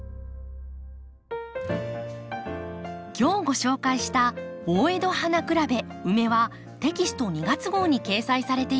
今日ご紹介した「大江戸花競べウメ」はテキスト２月号に掲載されています。